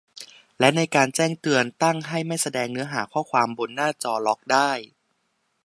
และในการแจ้งเตือน ตั้งให้ไม่แสดงเนื้อหาข้อความบนหน้าจอล็อกได้